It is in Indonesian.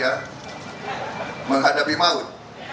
dan juga menghadapi maut